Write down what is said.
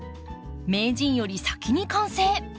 名人より先に完成。